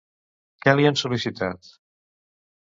Què li han sol·licitat?